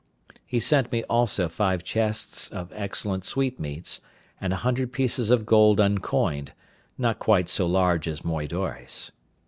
He sent me also five chests of excellent sweetmeats, and a hundred pieces of gold uncoined, not quite so large as moidores.